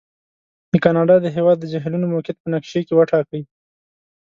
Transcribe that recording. د کاناډا د هېواد د جهیلونو موقعیت په نقشې کې وټاکئ.